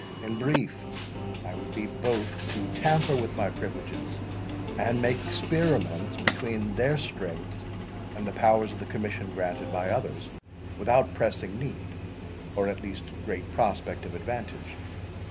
In brief, I would be both to tamper with my privileges, and make experiments between their strength, and the powers of the commission granted by others, without pressing need, or at least great prospect of advantage.